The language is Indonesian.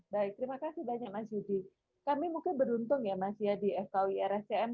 baik terima kasih banyak mas yudi kami mungkin beruntung ya mas ya di fkui rscm